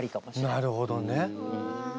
なるほどね。